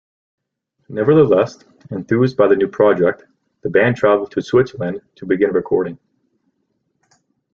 Nevertheless, enthused by the new project, the band travelled to Switzerland to begin recording.